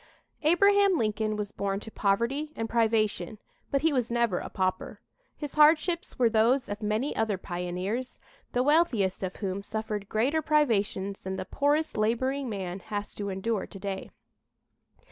Abraham Lincoln was born to poverty and privation, but he was never a pauper. His hardships were those of many other pioneers, the wealthiest of whom suffered greater privations than the poorest laboring man has to endure to day.